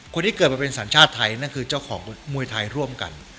คนที่เกิดมาเป็นสัญชาติไทยนั่นคือเจ้าของมวยไทยร่วมกัน